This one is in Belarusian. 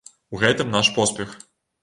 У гэтым наш поспех.